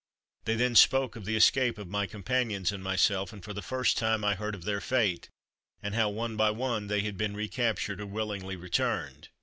They then spoke of the escape of my companions and myself, and for the first time I heard of their fate, and how, one by one, they had been recaptured or willingly returned.